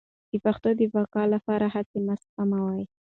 د پښتو د بقا لپاره هڅې مه سپموئ.